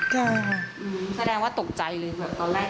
แสดงว่าตกใจเลยตอนแรกเลย